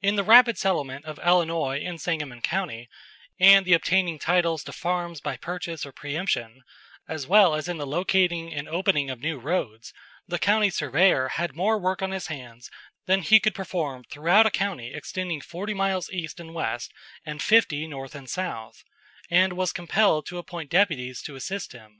In the rapid settlement of Illinois and Sangamon County, and the obtaining titles to farms by purchase or preëmption, as well as in the locating and opening of new roads, the county surveyor had more work on his hands than he could perform throughout a county extending forty miles east and west and fifty north and south, and was compelled to appoint deputies to assist him.